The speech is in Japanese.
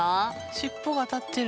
尻尾が立ってる。